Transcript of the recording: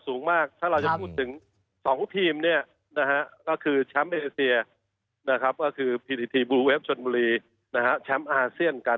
แล้วก็ผมคิดว่า